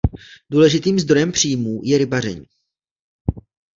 Důležitým zdrojem příjmů je rybaření.